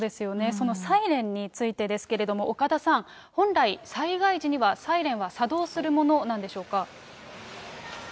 そのサイレンについてですけれども、岡田さん、本来、災害時にはサイレンは作動するものなんでしょうか。